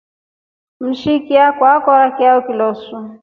Mshiki alekora choa kisusu.